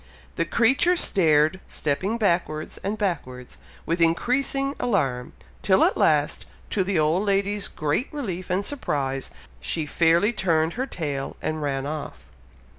The creature stared, stepping backwards and backwards, with increasing alarm, till at last, to the old lady's great relief and surprise, she fairly turned her tail and ran off.